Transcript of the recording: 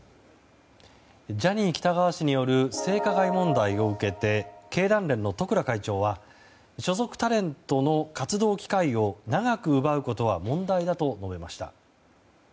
ジャニー喜多川氏による性加害問題を受けて経団連の十倉会長は所属タレントの活動機会を長く奪うことは問題だと述べました。